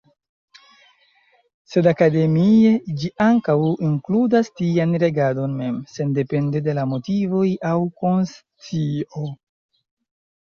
Sed akademie, ĝi ankaŭ inkludas tian regadon mem, sendepende de la motivoj aŭ konscio.